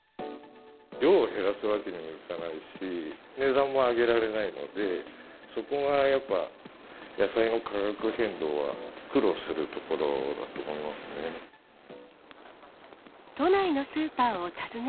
量を減らすわけにもいかないし、値段も上げられないので、そこがやっぱ野菜の価格変動は苦労するところだと思いますね。